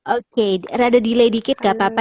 oke rada delay dikit gak apa apa